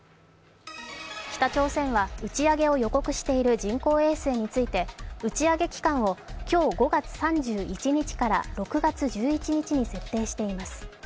北朝鮮は打ち上げを予告している人工衛星について打ち上げ期間を今日５月３１日から６月１１日に設定しています。